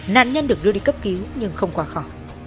nạn nhân được đưa đi cấp cứu nhưng không quá khó